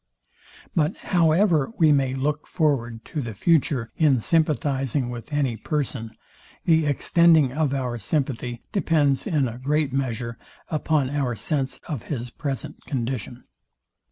But however we may look forward to the future in sympathizing with any person, the extending of our sympathy depends in a great measure upon our sense of his present condition.